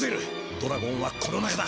ドラゴンはこの中だ！